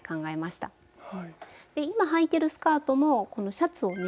で今はいてるスカートもシャツをね